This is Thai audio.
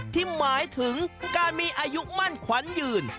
หมายถึงการมีอายุมั่นขวัญยืน